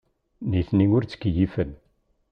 Nitni ur ttkeyyifen.